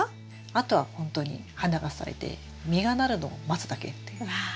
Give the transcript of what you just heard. あとはほんとに花が咲いて実がなるのを待つだけっていう。わ。